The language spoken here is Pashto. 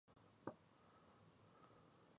پۀ فکر کښې لاړم ـ